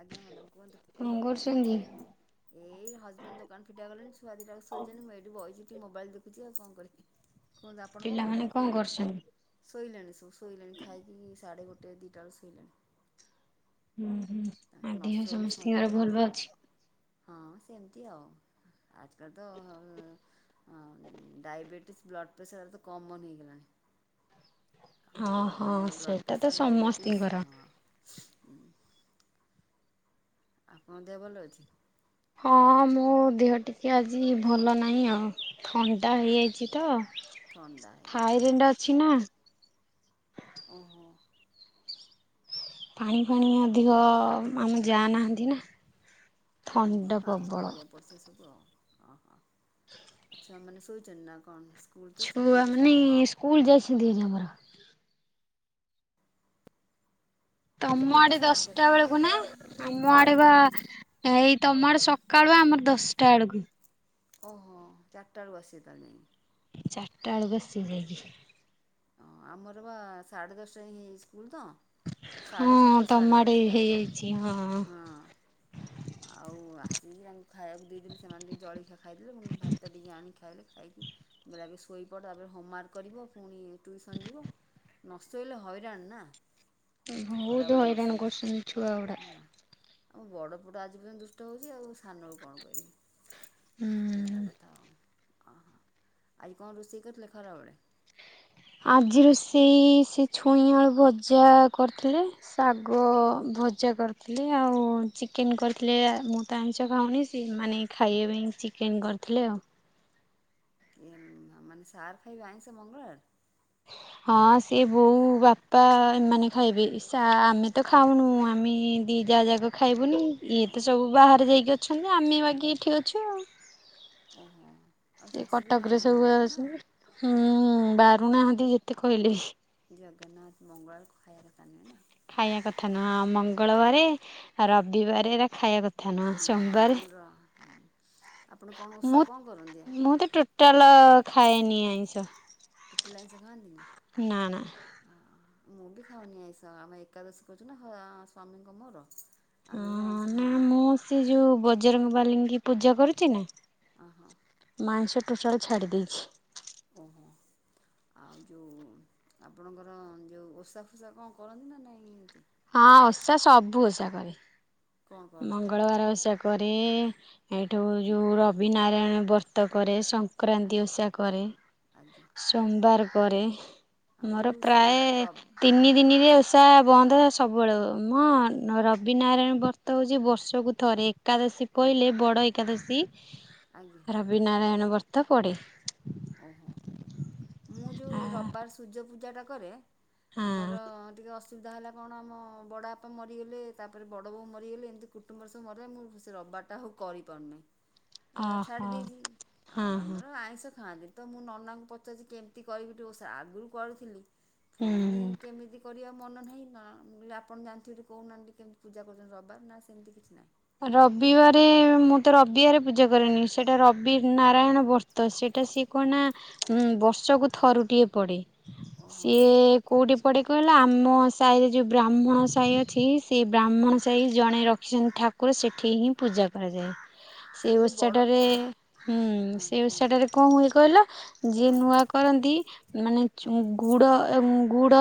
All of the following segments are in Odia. ଆଜ୍ଞା ମ୍ୟାଡ଼ାମ କୁହନ୍ତୁ। କଣ କରୁଛନ୍ତି? [unintelligible] ଏଇ ହଜବେଣ୍ଡ ଦୋକାନ ଫିଟେଇବାକୁ ଗଲେଣି ସ୍ ଛୁଆ ଦିଟାକ ଶୋଇଛନ୍ତି ମୁଁ ଏଇଠି ବଇଚି ଟିକେ ମୋବାଇଲ୍ ଦେଖୁଛି ଆଉ କଣ କରିବି। କୁହନ୍ତୁ ଆପଣ କଣ ପିଲାମାନେ କରୁଥିଲେ? କରୁଛନ୍ତି? ଶୋଇଲେଣି ସବୁ ଶୋଇଲେଣି ଖାଇକି ସାଢ଼େ ଗୋଟେ ଦିଟା ବେଳେ ଶୋଇଲେଣି। ହୁଁ ହୁଁ। ତାଙ୍କୁ ଆଉ ନ ଦେହ ଶୋଇଲେ ସମସ୍ତଙ୍କର ସନ୍ଧ୍ୟାବେଳେ ଭଲ ହୋମୱା ଅଛି? ହଁ ସେମିତି ଆଉ। ଆଜିକାଲି ତ ହଁ ଡାଇବେଟିସ୍ ବ୍ଲଡ ପ୍ରେସର ତ କମନ ହେଇଗଲାଣି। ହଁ। ହଁ ବାପାଙ୍କର ବ୍ଲଡ ସେଇଟା ତ ପ୍ରେସର ଡାଇବେଟିସ୍ ସମସ୍ତିଙ୍କର। ହଁ। ଆପଣଙ୍କ ଦେହ ଭଲ ଅଛି? ହଁ ମୋ ଦେହ ଟିକେ ଆଜି ଭଲ ନାହିଁ ଆଉ। ଥଣ୍ଡା ହେଇଯାଇଛି ତ। ଥଣ୍ଡା ହେଇ ହଁ ଜେନଟା ଅଛି ନା। ଓହୋ। ପାଣି ଫାଣି ଅଧିକ ଆମେ ଯା ନାହାଁନ୍ତି ନା। ଓହୋ ଥଣ୍ଡା ଆପଣ ପ୍ରବଳ। କରିବାକୁ ପଡ଼ୁଛି ସବୁ ଆଉ। ଓହୋ ଛୁଆ ମାନେ ଶୋଇଛନ୍ତି ନା କଣ? ସ୍କୁଲ ତ ଛୁଟି ହେଇଥିବ ସାଢ଼େ ଦଶ ସ୍କୁଲ୍ ଯାଇଛନ୍ତି ଏନେ ଆମର। ତମ ସ୍କୁଲ ତ ଆଡେ ସାଢ଼େ ଦଶଟା ଦଶ ବେଳ ଆ ନା ଆମ ଆଡେ ବା ଏଇ ତମ ଆଡେ ସକାଳୁ ଆମର ଦଶଟା ବେଳକୁ। ଓହୋ ଚାରିଟା ବେଳକୁ ଆସିବେ ତାହାଲେ ଯାଇକି। ଚାରିଟା ବେଳକୁ ଆସିବେ ଯାଇକି। ହଁ ଆମର ବା ସାଢ଼େ ଦଶଟା ହେଇ ସ୍କୁଲ ତ। ହଁ ସାଢେ ଛଅଟାରୁ ତମ ସାଢେ ଆଡେ ଦଶଟା ହେଇଯାଇଛି ହଁ। ହଁ। ଆଉ ଆସିକି ତାଙ୍କୁ ଖାଇବାକୁ ଦେଇଦେଲି ସେମାନେ ଟିକେ ଜଳଖିଆ ଖାଇଦେଲେ ମୁ ଭାତ ଟିକେ ଆଣି ଖାଇଲି ଖାଇକି ମୁଁ କହିଲି ଆଗେ ଶୋଇପଡ଼ ତାପରେ ହୋମ୍ୱାର୍କ କରିବ ପୁଣି ଟୁଇସନ ଯିବ। ନ ଶୋଇଲେ ହଇରାଣ ନା। ବହୁତ ଖରାବେଳେ ନ ହଇରାଣ କରୁଛନ୍ତି ଛୁଆ ଗୁଡ଼ା। ଆଉ ବଡ଼ ପୁଅଟା ଆଜି ପର୍ଯ୍ୟନ୍ତ ଦୁଷ୍ଟ ହେଉଛି ଆଉ ସାନକୁ କଣ କହିବି। ହୁଁ। ଏଇଭଳିଆ କଥା ଆଉ। ଅହ ଆଜି କଣ ରୋଷେଇ କରିଥିଲେ ଖରାବେଳେ? ଆଜି ରୋଷେଇ ସେ ଛୁଇଁଆଳୁ ଭଜା କରିଥିଲେ। ଶାଗ ଆଜ୍ଞା ଭଜା କର ଥିଲେ ଆଉ ଚିକେନ୍ କରିଥିଲେ ମୁଁ ତ ଆଇଁଷ ଖାଉନି ସେମାନେ ଖାଇବା ପାଇଁ କେନ୍ କରିଥିଲେ ଆଉ। ଏ ମାନେ ସାର୍ ଖାଇବେ ଆଇଁଷ ମଙ୍ଗଳବାର। ହଁ ସିଏ ବୋଉ ସା ବା ପା ଏମାନେ ଖାଇବେ ସା ଆମେ ତ ଖାଉନୁ ଆମେ ଦି ଯା ଯାକ ଖାଇବୁନି ଇଏ ତ ଓହୋ ସବୁ ବାହାରେ ଯାଇକି ଅଛନ୍ତି ଆମେ ବାକି ଏଇଠି ଅଛୁ ଆଉ। ଓହୋ ଆଉ ଏଇ ଶାଶୁ ବି ଖାଆନ୍ତି କଟକରେ ସବୁ ମଙ୍ଗଳବାର ନା ଅସ ହୁଁ ବାରୁନାହାନ୍ତି ଯେତେ କହିଲେ। ଜଗନ୍ନାଥ ମଙ୍ଗଳବାର ଖାଇବା କଥା ନୁହେଁ ନା ଖାଇବା କଥା ନୁହଁ ନା ମଙ୍ଗଳବାରେ ରବିବାରେ ଖାଇବା କଥା ନୁ ନାଇଁ ମୁଁ ର ଆପଣ କଣ ମୁଁ ଉଷା କଣ କରନ୍ତିଆ। ମୁଁ ତ ଟୋ ଟାଲ ଖାଏନି ଆଇଁଷ। ଟୋଟାଲ ଆଇଁଷ ଖାଆନ୍ତିନି। ନା ନା। ମୁଁ ବି ଖାଉନି ଆଇଷ ଆମେ ଏକାଦଶୀ କରୁଛୁ ନା ସ୍ଵାମୀଙ୍କ ମୋର। ଆମେ ବି ହଁ ଆଇଁଷ ନା ଖାଉନୁ। ମୁଁ ସେ ଯୋଉ ବଜରଙ୍ଗବାଲିଙ୍କ ପୂଜା କରୁଛି ନା। ଓହୋ। ମୁଁ ଆଇଁଷ ଟୋଟାଲ ଛାଡ଼ି ଦେଇଛି। ଓହୋ। ଆଉ ଜୋଉ ଆପଣଙ୍କର ଜୋଉ ଓଷା ଫୋଷା କଣ କରନ୍ତି ନା ନାଇ ଏମିତି। ହଁ ଓଷା ସବୁ ଓଷା କରେ। କ'ଣ କରନ୍ତି କହିଲେ ମଙ୍ଗଳବାର ଓଷା କରି ଏଠୁ ଜୋଉ ଆଜ୍ଞା ର ରବିନାରାୟଣ ବ୍ରତ କରେ ସଂକ୍ରାନ୍ତି ଆଜ୍ଞା ଓଷା କରେ। ଆଜ୍ଞା। ସୋମବାର କରେ ଆଉ ମୋର ଯେଉଁ ପ୍ରାୟ ରବି ତିନି ଦିନିରେ ଓ ସା ବନ୍ଦ ସବୁବେଳେ ମୋ ରବିନାରାୟଣ ବ୍ରତ ହେଉଛି ବର୍ଷକୁ ଥରେ। ଏକାଦଶୀ ଆଜ୍ଞା ପହିଲେ ବଡ଼ ଏକାଦଶୀ ଆଜ୍ଞା। ରବିନାରାୟଣ ବ୍ରତ ପଡେ। ଓହୋ ମୁଁ ଯୋଉ ରବିବାର ସୂର୍ଯ୍ୟ ପୂଜାଟା କରେ। ହଁ ଆମର ଟିକେ ଅସୁ ସୁବିଧା ହେଲା କଣ ଆମ ବଡ଼ ବାପା ମରିଗଲେ ତାପରେ ବଡ଼ ବୋହୁ ମରିଗଲେ ଏମିତି କୁଟୁମ୍ବରବୁ ମଗଲା ମୁଁ ସେ ରବିବାର୍ ତା ହଉ କରିପାରୁନାହିଁ। ଅ ଛାଡ଼ି ଓହୋ ଦେଇଛି ହଁ ଆଉ ହଁ ଆମର ଆଇଁଷ ଖାଆନ୍ତି ତ ମୁଁ ନନାଙ୍କୁ ପଚାରୁଚି କେମତି କରିବି ଟି ଓଷା ଆଗରୁ କରିଥିଲି ଫୁଣି ହୁଁ କେମିତି କରିବା ମନ ନାହିଁ ନାଁ ମୁ କହିଲି ଆପଣ ଜାଣିଥିବ କହୁନାହାନ୍ତି କେମିତି ପୂଜା କରୁଛନ୍ତି ରବିବାର୍ ନାଁ ସେମିତି କିଛି ନାହିଁ। ରବିବାରେ ମୁଁ ତ ରବିବାରେ ପୂଜା କରେନି ସେଟା ରବି ନାରାୟଣ ବର୍ ତ ସେଟା ସିଏ କଣ ନା ଉଁ ବର୍ଷକୁ ଥରୁଟିଏ ପଡେ। ଓହୋ ସିଏ କୋଉଠି ପଡ଼େ କହିଲ ଆମ ସାହିରେ ଯୋଉଁ ବ୍ରାହ୍ମଣ ସାଈ ଅଛି ଈ ବ୍ରାହ୍ମଣ ଆଜ୍ଞା ସାହି ଜଣେ ରଖିଛନ୍ତି ଠାକୁର ସେଠି ହିଁ ପୂଜା କରାଯାଏ। ସେଇ ସେଇଟା ଯେ ବଡ଼ ଓଷାଟାରେ ହଁ ହୁଁ ହଁ ସେଇ କୁହନ୍ତୁ ଓଷାଟାରେ କଁ ହୁଏ କହିଲ? ଯିଏ କଣଟେ ନୂଆ କରନ୍ତି ମାନେ ଚୁଁ ଆଜ୍ଞା ଗୁଡ ଗୁଡ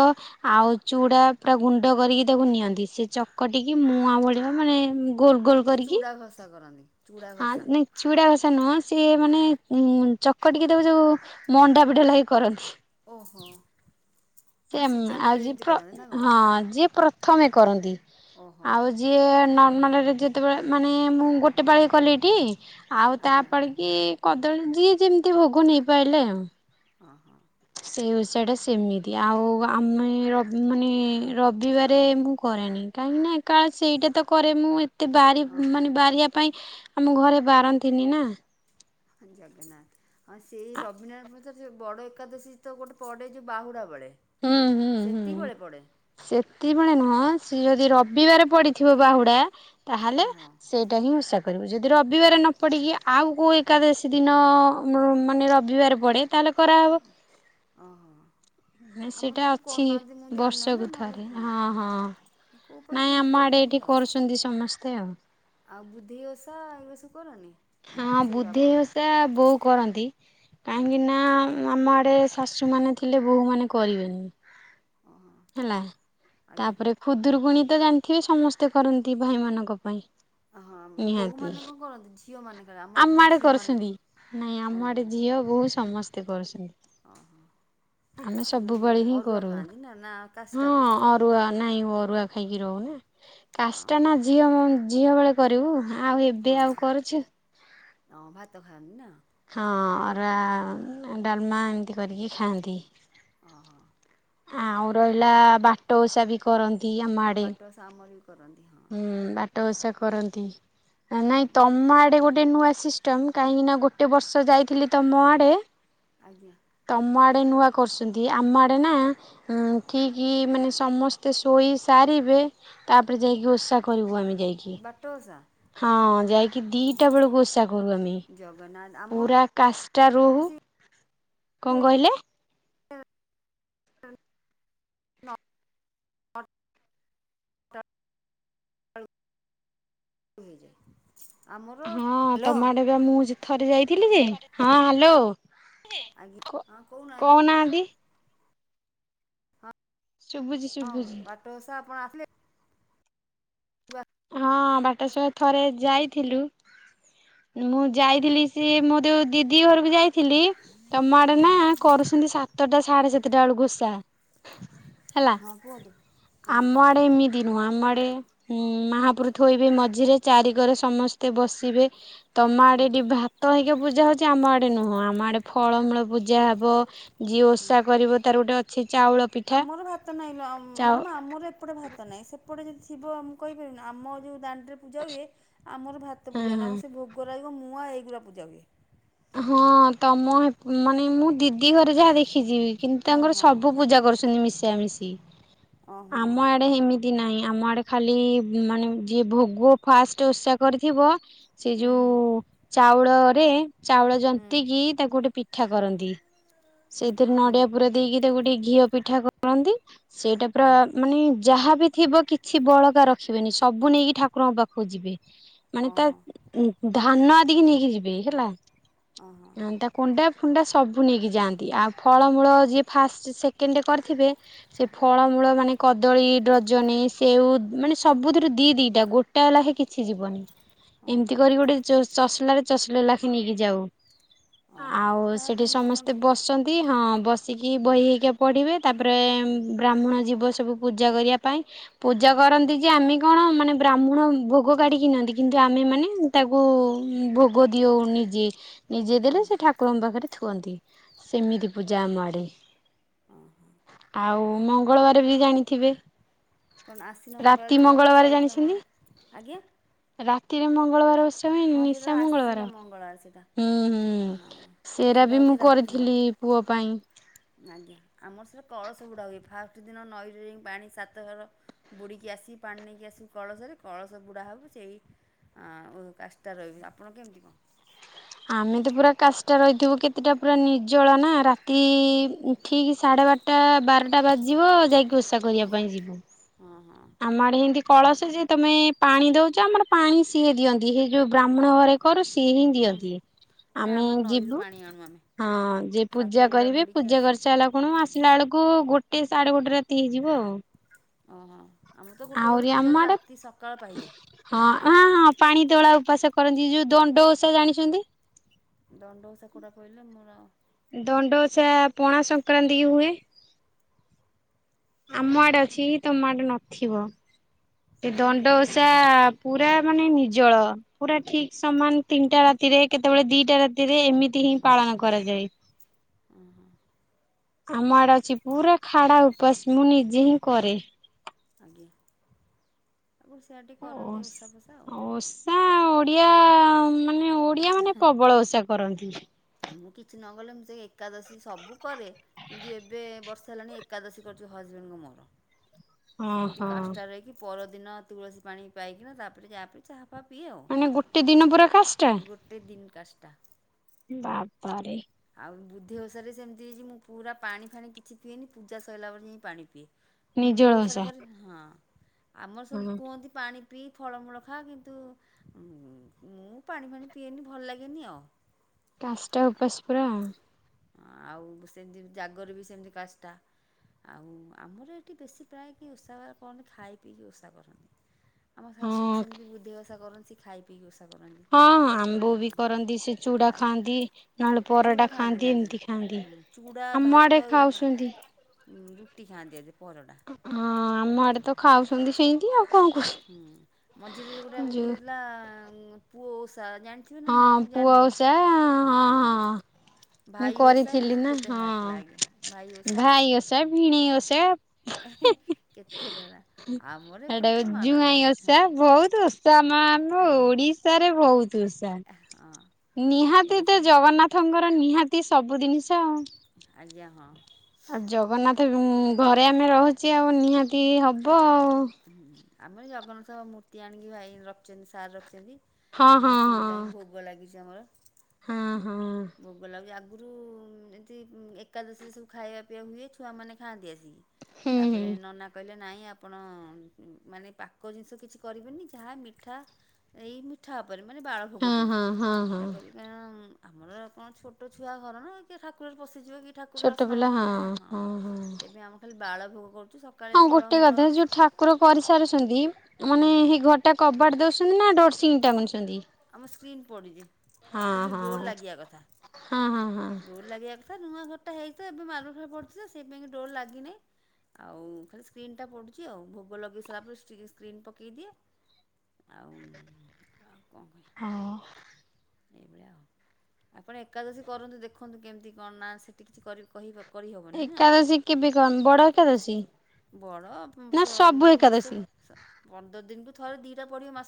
ଆଉ ଚୁଡା ପୁରା ଗୁଣ୍ଡ କରିକି ତାକୁ ନିଅନ୍ତି ସେ ଚକଟିକି ମୁଁଆଁ ଭଳିଆ ମାନେ ମୁଁ ମାନେ ଯୋଉ ଚୁଡ଼ା ଘସା କରନ୍ତି। ଚୁଡ଼ା ହା ଘଷା ନାଇ ଚୁଡା ଘଷା ନୁହଁ ସିଏ ମାନେ ଉ ଚକଟିକି ଦେବ ଯୋଉ। ମଣ୍ଡା ପିଠା ଲାଖା କରନ୍ତି। ଓହୋ। ଯେମିତି ସେମ୍ ସିଝା ଆଉ ପଠା ଯିଏ ଯେମିତି ପ୍ର କରନ୍ତି ନା ହଁ କଣ ଯିଏ ପ୍ରଥମେ କରନ୍ତି ଓହୋ ଆଉ। ଯିଏ ନର୍ମାଲରେ ଯେତେବେଳେ ମାନେ ମୁଁ ଗୋଟେ ପାଳି କଲିଟିି ଆଉ ତା ଆଜ୍ଞା ପାଳି କି କଦଳୀ ଯିଏ ଯେମତି ଭୋଗ ନେଇପାଇଲେ ଆଉ। ହଁ ହଁ। ସେଇ ଉସାଟା ସେମିତି ଆଉ ଆମେ ରବ୍ ମାନେ ରବିବାରେ ମୁଁ କରେନି। କାହିଁକି ନା ଏକା ସେଇଟା ତ କରେ ମୁଁ ଏ ତେ ବାରି ହଁ ହଁ ମାନେ ବାରିବା ପାଇଁ ଆମ ଘରେ ବାରନ୍ତିନି ନା। ଜଗନ୍ନାଥ୍। ହଁ ସେଇ ରବୀଣାପଥ ଯୋଉ ବଡ଼ ଏକାଦଶୀ ତ ଗୋଟେ ପଡ଼େ ଯୋଉ ବାହୁଡ଼ା ବେଳେ। ସେତିକୀ ବେଳେ ପଡ଼େ। ସେତିବଳେ ନୁହଁ ସିଏ ଯଦି ରବିବାରେ ପଡିଥିବ ବାହୁଡା ତାହେଲେ ଓହୋ ସେ ଟା ହିଁ ଓଷା କରିବ। ଯଦି ରବିବାର ନ କରିକି ଆଉ କୋଉ ଏକାଦଶୀ ଦିନ ମ ମାନେ ରବିବାର ପଡ଼େ। ତାହେଲେ କରାହବ। ଓହୋ। ଆମର‌ ସେଇଟା ତ ଏଠି ତ ଅଛି କରୁନାହାନ୍ତି ମୁଁ ଜାଣି ନାଇଁ ନା ନହେଲେ ହଁ। କୋଉ ପଟେ ନାଇଁ କେମତି ଆମ ଆଡେ ଏଠି କରୁଚନ୍ତି ଆଉ। କରୁଛନ୍ତି ସମସ୍ତେ ଆଉ ଆଉ ବୁଦ୍ଧେଇ ଓଷା ଏଇଗୁଡା ସବୁ କରନି। ନା ନାହିଁ ହଁ ସେଗୁରା ବୁଦ୍ଧେଇ ଆପଣଙ୍କର ଓଷା ବୋଉ କରନ୍ତି। କାହିଁକି ଆଜ୍ଞା ନା ଆମ ଆଡେ ଶାଶୁମାନେ ଥିଲେ ବୋହୂମାନେ କରିବେନି। ଓହୋ ହେଲା ଆଜ୍ଞା ତାପରେ। ଖୁଦୁରୁକୁୁଣୀ ତ ଜାଣିଥିବେ ସମସ୍ତେ କରନ୍ତି ଭାଇମାନଙ୍କ ପାଇଁ। ହଁ ବୋହୂ ନିହାତି। ମାନେ କଣ କରନ୍ତି ଝିଅ ମାନଙ୍କରେ ଆମର ଆମ ଏପଟେ ଆଡେ ଝିଅ କରୁଛନ୍ତି। ମାନଙ୍କ ନାଇଁ ଆମ ଆଡେ ଝିଅ ବୋହୂ ସମସ୍ତେ କରୁଛନ୍ତି। ଅହ। ଆମେ ସବୁବେଳେ ହିଁ କରୁ। ନା ନା କାଷ୍ଟା ହଁ ପୁରା ଅ ରୁଆ ନାଇଁ ଅରୁଆ ଖାଇକି ରହୁନି କାସ୍ଟା ଓହୋ ନା ଝିଅ ମ ଝିଅ ବେଳେ କରିବୁ। ଆଉ ଏବେ ହଁ ଆଉ କରୁଛୁ। ହଁ ଭାତ ଖାଅନିି ନାଁ। ହଁ ଅରୁଆ ଡାଲମା ଏମତି କରିକି ଖାଆନ୍ତି। ଓହୋ। ଆଉ ରହିଲା ବାଟ ଓଷା ବି କରନ୍ତି ଆମ ଆଡେ। ଆମରି ବି କରନ୍ତି ହଁ। ହୁଁ ବାଟ ଓଷା କରନ୍ତି। ନାଇଁ ତମ ଆଡେ ଗୋଟେ ନୂଆ ସିଷ୍ଟମ କାହିଁକି ନା ଗୋଟେ ବର୍ଷ ଯାଇଥିଲି। ତମ ଆଡ଼େ। ଆଜ୍ଞା। ତମ ଆଡେ ନୂଆ କରୁଛନ୍ତି। ଆମ ଆଡେ ନା ଉଁ କିଏ କିଏ ମାନେ ସମ ମତେ ଶୋଇ ସାରିବେ ତାପରେ ଆଜ୍ଞା ଯାଇକି ଓଷା କରିବୁ ଆମେ ଯାଇକି। [unintelligible] ହଁ ଯାଇକି ଦିଟା ବେଳକୁ ଓଷା କରୁ ଆମେ। ଜଗନ୍ନାଥ ଆମର ପୁରା କାଷ୍ଟା ରହୁ। ସେ କଣ କହିଲେ? [inaudible] ନଅଟା ବେଳକୁ ହେଇଯାଏ। ଆମର ହଁ ହ୍ୟାଲୋ ତମ ଆଡ଼େ ବା ମୁଁ ଥରେ ଯାଇଥିଲି ଯେ, ହଁ ହ୍ୟାଲୋ। ଆଜ୍ଞା ହଁ କହୁନାହାନ୍ତି। ହଁ ଶୁଭୁଛି ହଁ ଶୁଭୁଛି ବାଟ ଓଷା ଆପଣ ଆସିଲେ। ୱା। ହଁ ବାଟାସ ଥରେ ଯାଇଥିଲୁ। ମୁଁ ଯାଇଥିଲି ସିଏ ମୋ ଯୋଉ ଦିଦି ଘରକୁ ଯାଇଥିଲି ତମ ଆଡେ ଆଜ୍ଞା ନା ହଁ କରୁଛନ୍ତି ସାତଟା ସାଢେ ସାତଟା ବେଳକୁ ଓଷା। ହେଲା ହଁ କୁହନ୍ତୁ ହଁ ଆମ ଆଡେ ଏମି ଏମିତି ନୁହଁ ଆମ ଆଡ଼େ ମାହାପୁରୁ ଥୋଇବେ ମଝିରେ ଚାରି କରେ ସମସ୍ତେ ବସିବେ। ତମ ଆଡେ ଏ ଆଜ୍ଞା ଟି ଭାତ ହେଇକି ପୂଜା ହଉଛି ଆମ ଆଡେ ନୁହଁ ଆମ ଆଡେ ଫଳମୂଳ ପୂଜା ହବ ଯିଏ ଓଷା କରିବ ତାର ଗୋଟେ ଅଛି ଚାଉ ପିଠା ଆମର ଭାତ ନାଇଁ ମ୍ୟାଡାମ ଆମର ଏ ସେପଟେ ଭାତ ନାହିଁ ସେପଟେ ଯଦି ଥିବ ଆମେ କହିପାରିବୁ ଆମ ଯଉ ଦାଣ୍ଡରେ ପୂଜା ହୁଏ ଆମର ଭା ମତେ ହଁ ପୂଜା ନା ହଁ। ଆମ ସେ ଭୋଗଲାଗିବ ମୁଁଆ ଏଇଗଡ଼ା ପୂଜା ହୁଏ। ହଁ ତମ ମାନେ ମୁଁ ଦିଦି ଘରେ ଯାହା ଦେଖିଛି। କିନ୍ତୁ ତାଙ୍କର ଓହୋ ସବୁ ପୂଜା ସେପଟେ କରୁଛନ୍ତି ମିଶା ମିଶି ଓହୋ ଆମ ଆଡେ ଏମିତି ନାଇଁ ଆମ ଆଡେ ଖାଲି ମାନେ ଯିଏ ଭୋଗ ଫାଷ୍ଟ ଉସା କରିଥିବ। ସେ ହୁଁ ହୁଁ ଯୋଉ ଚାଉଳରେ ଚାଉଳ ହୁଁ ଜନ୍ତି କିି ତାକୁ ଗୋଟେ ପି ପିଠା କରନ୍ତି ସେଇଥିରେ ହୁଁ ନଡିଆ ପୁର ଦେଇକି ତାକୁ ଗୋଟେ ଘିଅ ପିଠା କରନ୍ତି। ସେଇଟା ପୁରା ହୁଁ ମାନେ ଯାହା ବିି ଥିବ କିଛି ବଳକା ରଖିବେନି ସବୁ ନେଇକି ଠାକୁରଙ୍କ ପାଖକୁ ଯିବେ ମାନେ ତା ଓହୋ ଧାନ ଆଦିକି ନେଇକି ଯିବେ ହେଲା। ଅହ। ତା କଣ୍ଡା ଫୁଣ୍ଡା ସବୁ ନେଇକି ଯାଆନ୍ତି ଆଉ ଫଳମୂଳ ଯିଏ ଫାଷ୍ଟ ସେକେଣ୍ଡ କରିଥିବେ ସେ ଫଳମୂଳ ମାନେ କଦଳୀ ଡଜନେ ସେଉ ମାନେ ସବୁଥିରୁ ଦି ଦିଇଟା ଗୋ ଟା ଲାଖେ କିଛି ଯିବନି ଓହୋ ଏମିତି କରି ଗୋଟେ ଚସଲା ରେ ଚସଲେ ଲାଖେ ନେଇକି ଯାଉ ଓହୋ ଆଉ କାହାର ସେଠି କେମିତି କଣ ସମସ୍ତେ ଥିବ ବସନ୍ତି ହଁ ବସିକି ହୁଁ ବହି ହେଇକି ପଢ଼ିବେ ତାପରେ ବ୍ରାହ୍ମଣ ଜୀବ ସବୁ ପୂଜା କରିବା ପାଇଁ ପୂଜା କରନ୍ତି ଯେ ଆମେ କଣ ମାନେ ବ୍ରାହ୍ମଣ ଭୋଗ କାଢ଼ିକିନିଅନ୍ତି। କିନ୍ତୁ ଆମେ ମାନେ ତାକୁ ଭୋଗ ଦିଅଉ ନିଜେ। ନିଜେ ଦେଲେ ସେ ଠାକୁରଙ୍କ ପାଖରେ ଥୁଅନ୍ତି ସେମିତି ପୂଜା ଆମ ଆଡ଼େ। ଆଉ ମଙ୍ଗଳବାରେ ବି ଜାଣିଥିବେ। କଣ ଆଶ୍ୱିନ ରାତି ମଙ୍ଗଳ ବି କରିବେ ମଙ୍ଗଳବାର ଚୈତ୍ର ମ ଜାଣିଛନ୍ତି ଆଜ୍ଞା। ରାତିରେ ମଙ୍ଗଳବାର ଓଷା। ହୁଏନି ହଁ ସେଟା ନିଶା ଆଶୀନ୍ୟ ମଙ୍ଗଳବାର ସେଇଟା। ହୁଁ ହୁଁ ହଁ ସେରା ସେଇଟା ବି ହଉଛି ମୁଁ ରାତି ନ କରିଥିଲି ପୁଅ ପାଇଁ ଆଜ୍ଞା ଆମ ସେ କଳସ ବୁଡା ହୁଏ ଫାଷ୍ଟ ଦିନ ନଈରେ ପାଣି ସାତ ଘର। ବୁଡ଼ିକି ଆସିକି ପାଣି ନେଇକି ଆସିବ କଳସରେ କଳସ ବୁଡ଼ା ହେବ ସେଇ କାଷ୍ଟ ତା ରହିବି ଆପଣ କେମିତି କଣ। ଆମେ ତ ପୁରା କାଶଟା ରହିଥିବୁ କେତେଟା ପୁରା ନିର୍ଜଳ ନା ରାତି ଠିକ୍ ସାଢ଼େ ବାରଟା ବାରଟା ବାଜିଯିବ ଯାଇକି ଓଷା କରିବା ପାଇଁ ଯିବୁ। ହଁ ହଁ ଆମଆଡ଼େ ଏମତି କଳସ ଯେ ତମେ ପାଣି ଦଉଛ ଆମର ପାଣି ସିଏ ଦିଅନ୍ତି ହେଇ ଯୋଉ ବ୍ରାହ୍ମଣ ଘରେ କରୁ ସିଏ ହୁଁ ହିଁ ହୁଁ ଦିଅନ୍ତି। ନା ଆମେ ଆମ ନଈରୁ ଯିବୁ ପାଣି ଆଣୁ ଆମେ ହଁ ଯ ସାତ ପୂଜା ବୁଡ଼ା କରିବେ ବୁଡ଼ିକି ପୂଜା ଆସି କରିସାରିଲା ଆପଣ ଆସିଲା ବେଳକୁ ଗୋଟେ ସାଢ଼େ ଗୋଟେ ରାତି ହେଇଯିବ ହଁ ହଁ ଆମ ତ ଗୋଟେ ଗୋଟେ ଆହୁରି ଆମ ପୂଜାରେ ଆଡେ ରାତି ସକାଳ ପାହିଯାଏ। ହଁ ହଁ ହଁ ପାଣି ତୋଳା ଉପାସ କରନ୍ତି ଯୋଉ ଦଣ୍ଡ ଓଷା ଜାଣିଛନ୍ତି। ଦଣ୍ଡ ଓଷା କୋଉଟା କହିଲ ମୋର ଆଉ ଦଣ୍ଡ ଓଷା ପଣା ସଂକ୍ରାନ୍ତି କି ହୁଏ। ଆମ ଆଡ଼େ ଅଛି ତମ ଆଡ଼େ ନଥିବ। ସେ ମୁଁ ଦଣ୍ଡ ଜାଣିନି ଓଷା ମ୍ୟାମ୍ ହୁଁ ପୁରା ମାନେ ନିଜଳ। ପୁରା ଠିକ ସମାନ ତିନିଟା ରାତିରେ କେତେବେଳେ ଦିଟା ରାତିରେ ଏମି ତି ହିଁ ପାଳନ କରାଯାଏ ଆମ ଆଡେ ଅ ଛି ପୁରା ଖାଡ଼ା ଉପାସ ମୁଁ ନିଜେ ହିଁ କରେ। ଆଜ୍ଞା ଆଗୁରୁ ସିଆଡ଼େ ଟିକେ କରନ୍ତି ଓଷା ପୋଷା ଆଉ। ନା ଓଡ଼ିଆ ମାନେ ଓଡ଼ିଆ ମାନେ ପ୍ରବଳ ଓଷା କରନ୍ତି। ମୁଁ କିଛି ନକଲେ ମୁଁ ସେଇ ଏକାଦଶୀ ସବୁ କରେ କିନ୍ତୁ ଏବେ ବର୍ଷା ହେଲାଣି ଏକାଦଶୀ କରୁଚୁ ହଜବେଣ୍ଡଙ୍କ ମୋର। ହଁ ସେମିତି ହଁ କାଷ୍ଟା ରହିକି ପରଦିନ ତୁଳସୀ ପାଣି ପାଇକିନା ତାପରେ ଯାହାପି ଚାହାଫାହା ପିଏ ଆଉ। [unintelligible] ଗୋଟେ ଦିନ ପୁରା କାଷ୍ଟା? ଗୋଟେ ଦିନ କାଷ୍ଟା। ବାବାରେ। ଆଉ ବୁଧେଇ ଓଷାରେ ସେମିତି ହେଇଛି ମୁଁ ପୁରା ପାଣି ଫାଣି କିଛି ପିଏନି ପୂଜା ସରିଲା ପରେ ଜାଇଁକି ପାଣି ପିଏ। ମୁଁ ନିଜଳ ଯୋଉ ଓଷାଟେ ଓଷା କରେ ହଁ ଆମର ସବୁ ହଁ କୁହନ୍ତି ପାଣି ପିଇ ଫଳମୂଳ ଖା କିନ୍ତୁ ଉଁ ମୁଁ ପାଣି ଫାଣି ପିଏନି ଭଲ ଲାଗେନି ଆଉ। କାଷଷ୍ଟା ଉପାସ ପୁରା ଆଉ। ଆଉ ସେମିତି ଜାଗର ବି ସେମିତି କାଷ୍ଟା। ଆଉ ଆମର ଏଠି ବେଶୀ ପ୍ରାୟ କିଏ ଉଷା ବାର କରନ୍ତି ଖାଇ ପିଇକି ଉଷା କରନ୍ତି। ଆମ ଶାଶୁ ବି ହଁ ସେମିତି ବୁଦ୍ଧେଇ ଓଷା କରନ୍ତି ସେ ଖାଇ ପିଇକି ଉଷା କରନ୍ତି ହଁ ଆମ୍ବ ବି ହୁଁ କରନ୍ତି ସେ ଚୁଡ଼ା ଖାଆନ୍ତି ନହେଲେ ଖାଇକି ପରଟା ଚୁଡ଼ା ଖାଆନ୍ତି ନା ଧେରେ ଏମିତି ଖାଆନ୍ତି। ହୁଁ ଚୂଡା, ଆମ ଆଡେ ଭାତ ଏଗୁରା ଖାନ୍ତିନି ଖାଉଛନ୍ତି ଉଁ ରୁଟି ଖାଆନ୍ତିି ଆ ଧେରେ। ପରଟା। ହଁ ଆମ ହୁଁ ଆଡେ ତ ଖାଉଛନ୍ତି ସେମିତି ଆଉ କଣ କର ହୁଁ ମଝିରେ ଗୋଟେ ଯୋଉ ଉଠିଥିଲା ଉଁ ପୁଅ ଉଷା ଜାଣିଥିବେ ନା ନାଇଁ ହଁ ମୁଁ ପୁଅ ଜାଣିନି ଓଷା ହଁ ଆଜ୍ଞା। ମୁଁ ଭାଇ ଓଷା ଏମିତି କରିଥିଲି ସବୁ ନା କେତେ ବାହାରିଥିଲା ଆଜ୍ଞା ଭାଇ ହଁ ଓଷା। ଭାଇ ଓଷା ଭିଣେଇ ଓଷା ଏହେଁ କେତେ କରା ଆମର ଏପଟେ ହେଇଟାକୁ କିଏ ମାନନ୍ତିନି ଜୁଆଇଁ ହଁ ଓଷା ବହୁତ ଓ ତ ଆମ ଆମ ଆଜ୍ଞା। ଓଡିଶାରେ ବହୁତ ଓଷା। ହଁ। ନିହାତି ତ ଏସବୁ ଜଗନ୍ନାଥଙ୍କର ନିହାତି ସବୁ ଦିନିଷ ଆଜ୍ଞା ହଁ। ଆଉ ଜଗନ୍ନାଥ ବି ଘରେ ଆମେ ରହୁଚେ ଆଉ ନିହାତି ହବ ଆଉ। ହୁଁ ଆମର ଜଗନ୍ନାଥଙ୍କ ମୂର୍ତ୍ତି ଆଣିକି ଭାଇ ରଖିଛନ୍ତି ସାର ରଖିଛନ୍ତି। ହଁ ହଁ ଆମର ତିନି ଟାଇମ ଭୋଗ ଲାଗିଛି ଆମର ହଁ ଆଁ ହଁ ହଁ। ଭୋଗ ଲାଗେ ଆଗରୁ ଏମିତି ଏକାଦଶୀ ସବୁ ଖାଇବା ପିଇବା ହୁଏ ଛୁଆମାନେ ଖାଆନ୍ତି ଆସିକି ହୁଁ ହୁଁ। ତାପରେ ନନା କହିଲେ ନାଇଁ ଆପଣ ଉଁ ଉଁ ମାନେ ପାକ ଜିନିଷ କିଛି କରିବେନି ଯାହା ମିଠା ଏଇ ମିଠା ଉପରେ ମାନେ ବାଳ ହଁ ଭୋଗୁଛୁ ହଁ ହଁ ହଁ ଏହାକରି କାରଣ ଆମର କଣ ଛୋଟ ଛୁଆ ଘର ନା କିଏ ଠାକୁର ଘରେ ପଶିଯିବେ କି ଠାକୁର ଅସନା ମସନା କରିବ ହଁ ତେବେ ଆମେ ଖାଲି ବାଳ ଭୋଗ କରୁଚୁ ସବ୍ ଆଉ ଗୋଟେ କଥା ଯୋଉ ଠା କୁର କରିସାରୁଛନ୍ତି ମାନେ ଆଜ୍ଞା ହେଇ ଘରଟା କବାଟ ଦଉଛନ୍ତି ନା ଡୋରସିିଙ୍ଗ ଟା ଟାଣୁଛନ୍ତି? ଆମ ସ୍କ୍ରିନ୍ ପଡ଼ିଛି। ହଁ ହଁ ହଁ ହଁ ହଁ। ଡୋର ଲାଗିବା କଥା ନୂଆ ଘରଟା ହେଇଥିଲା ଏବେ ମାରବଲ୍ ଫର୍ବଲ୍ ପଡ଼ିଚି ତ ସେଇ ପାଇଁଁ ଡୋର୍ ନାହିଁ। ଆଉ ଖାଲି ସ୍କ୍ରିନ୍ ଟା ପଡ଼ୁଛି ଆଉ ଭୋଗ ଲଗାଇ ସାରିଲା ପରେ ସ୍କ୍ରିନ୍ ପକେଇଦିଏ। ଆଉ ଆଉ କଣ କହିବା ଅୱ ଏଇଭଳିଆ ଆଉ ଆପଣ ଏକାଦଶୀ କରନ୍ତୁ ଦେଖନ୍ତୁ କେମିତି କଣ ନା ସେଠି କିଛିି କରି କହିିବା ଏକାଦଶୀ କେବେ କ ବଡ ଏକାଦଶୀ ବଡ ନା ସବୁ ଯୋଉ ମାସ ଏକାଦଶୀ? ପନ୍ଦର ଦିନକୁ ଥରେ ଦିଟା ପଡିବ ମାସ